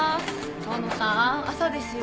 遠野さん朝ですよ。